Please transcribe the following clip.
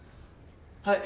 はい！